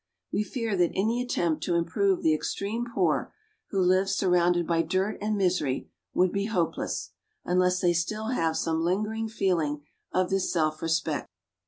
We fear that any attempt to improve the extreme poor, who live surrounded by dirt and misery, would be hopeless, unless they still have some lingering feeling of this self respect.